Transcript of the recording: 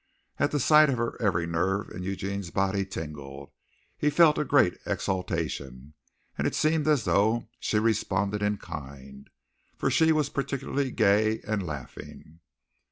At the sight of her every nerve in Eugene's body tingled he felt a great exaltation, and it seemed as though she responded in kind, for she was particularly gay and laughing.